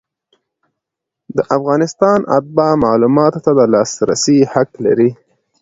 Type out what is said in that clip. د افغانستان اتباع معلوماتو ته د لاسرسي حق لري.